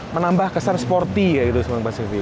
menambah kesan sporty kayak gitu sahabat kompas tv